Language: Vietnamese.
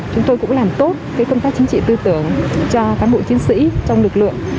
chúng tôi cũng làm tốt công tác chính trị tư tưởng cho cán bộ chiến sĩ trong lực lượng